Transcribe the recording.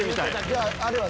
じゃああれは？